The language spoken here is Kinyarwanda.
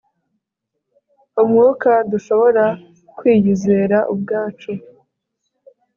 Umwuka dushobora kwiyizera ubwacu